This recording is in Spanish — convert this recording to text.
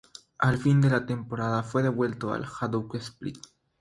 Al fin de la temporada, fue devuelto al Hajduk Split.